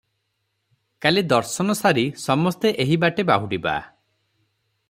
କାଲି ଦର୍ଶନସାରି ସମସ୍ତେ ଏହିବାଟେ ବାହୁଡ଼ିବା ।